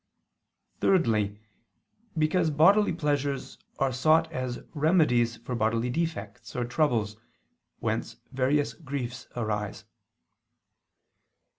Thirdly, because bodily pleasures are sought as remedies for bodily defects or troubles, whence various griefs arise.